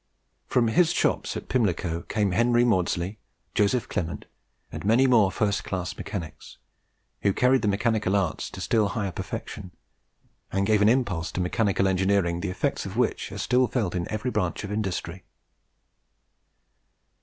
From his shops at Pimlico came Henry Maudslay, Joseph Clement, and many more first class mechanics, who carried the mechanical arts to still higher perfection, and gave an impulse to mechanical engineering, the effects of which are still felt in every branch of industry.